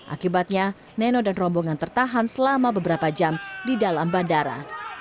akibatnya neno dan rombongan tertahan selama beberapa jam di dalam bandara